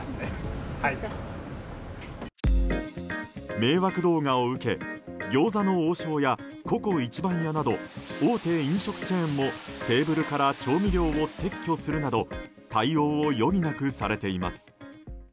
迷惑動画を受け餃子の王将やＣｏＣｏ壱番屋など大手飲食チェーンもテーブルから調味料を撤去するなど対応を余儀なくされています。